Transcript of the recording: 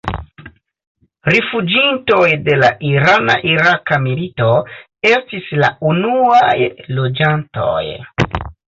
Rifuĝintoj de la irana-iraka milito estis la unuaj loĝantoj.